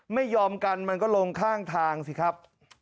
ไม่ยอมกันมันก็ลงข้างทางสิครับ